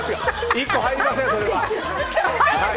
１個に入りません。